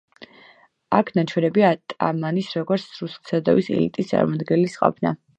აქ ნაჩვენებია ატამანის, როგორც რუსული საზოგადოების ელიტის წარმომადგენლის ყოფა.